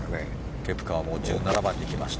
ケプカは１７番に来ました。